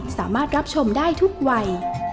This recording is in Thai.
สามารถรับชมได้ทุกวัย